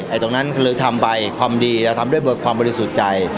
ตรงนั้นเลยทำไปความดีเราทำด้วยความบริสุทธิ์ใจ